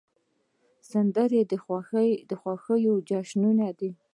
سندره د خوښیو جشن دی